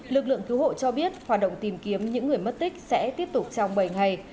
lực lượng cứu hộ cho biết hoạt động tìm kiếm những người mất tích sẽ tiếp tục trong bảy ngày